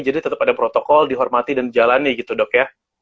jadi tetap ada protokol dihormati dan dijalani gitu dok ya